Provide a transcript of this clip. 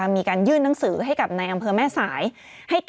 มี